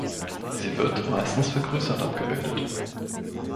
Sie wird meistens vergrößert abgebildet.